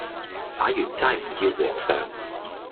打完齋唔要和尚